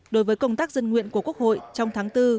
đối với công tác dân nguyện của quốc hội trong tháng bốn